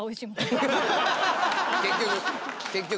結局。